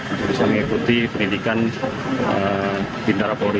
untuk bisa mengikuti pendidikan bintara polri